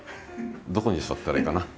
どこに座ったらいいかな。